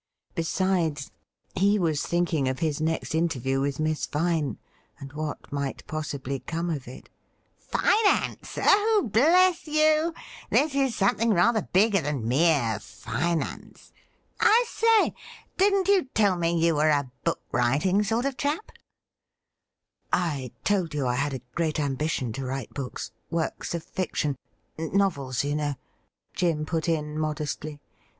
Besides, he was thinking of his next interview with Miss Vine, and what might possibly come of it. ' Finance ? Oh, bless you ! this is something rather bigger than mere finance. I say, didn't you tell me you were a book writing sort of chap .?'* I told you I had a great ambition to write books — works of fiction — novels, you know,' Jim put in modestly.